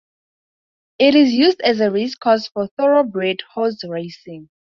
It is used as a racecourse for Thoroughbred horse racing.